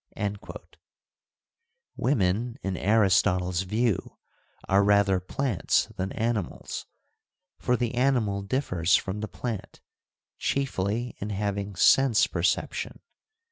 * Women, in Aristotle's view, are rather plants than animals ; for the animal differs from the plant, chiefly in having sense perception.